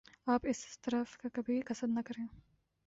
آپ اس طرف کا کبھی قصد نہ کریں ۔